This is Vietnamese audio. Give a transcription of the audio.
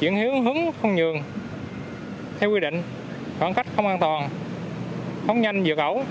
chuyển hướng hướng không nhường theo quy định khoảng cách không an toàn không nhanh dựa cẩu